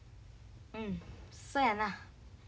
うんそやな。